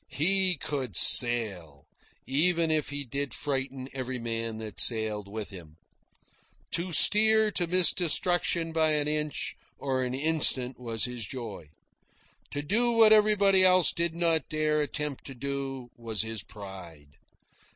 He COULD sail, even if he did frighten every man that sailed with him. To steer to miss destruction by an inch or an instant was his joy. To do what everybody else did not dare attempt to do, was his pride.